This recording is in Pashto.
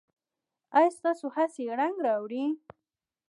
ایا ستاسو هڅې رنګ راوړي؟